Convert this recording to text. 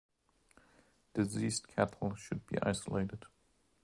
Diseased cattle should be isolated.